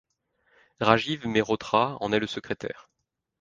Rajiv Mehrotra en est le secrétaire.